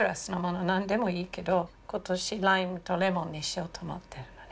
何でもいいけど今年ライムとレモンにしようと思ってるのね。